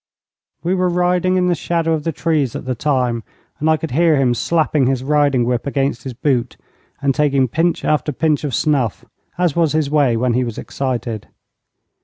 We were riding in the shadow of the trees at the time, and I could hear him slapping his riding whip against his boot, and taking pinch after pinch of snuff, as was his way when he was excited.